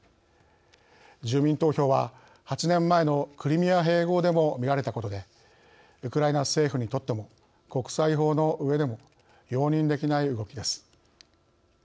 住民投票は８年前のクリミア併合でも見られたことでウクライナ政府にとっても国際法のうえでも容認できない動きです。